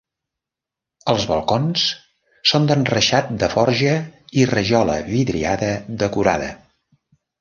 Els balcons són d'enreixat de forja i rajola vidriada decorada.